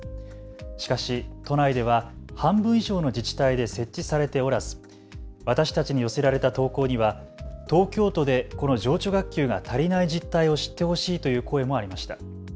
しかし都内では半分以上の自治体で設置されておらず私たちに寄せられた投稿には東京都でこの情緒学級が足りない実態を知ってほしいという声もありました。